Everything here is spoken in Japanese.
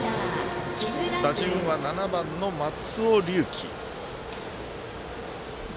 打順は７番の松尾龍樹。